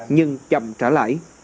nhưng chậm trả lại